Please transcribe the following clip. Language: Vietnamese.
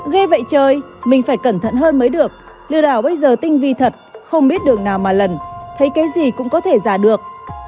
ghe vậy chơi mình phải cẩn thận hơn mới được lừa đảo bây giờ tinh vi thật không biết đường nào mà lần thấy cái gì cũng có thể giả được